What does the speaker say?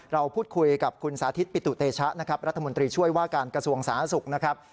เราพูดคุยกับคุณสาธิตปิตุเตชะรัฐมนตรีช่วยว่าการกระทรวงสาธุศักดิ์